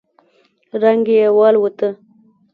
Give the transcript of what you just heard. رنگ يې والوت.